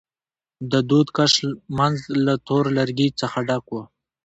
د دود کش منځ له تور لوګي څخه ډک و.